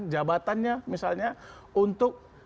jabatannya misalnya untuk